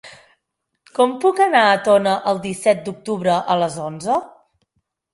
Com puc anar a Tona el disset d'octubre a les onze?